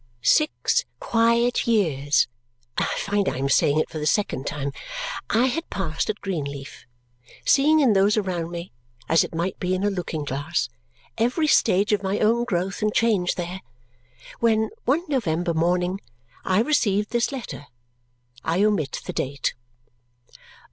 Six quiet years (I find I am saying it for the second time) I had passed at Greenleaf, seeing in those around me, as it might be in a looking glass, every stage of my own growth and change there, when, one November morning, I received this letter. I omit the date.